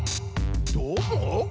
どーも？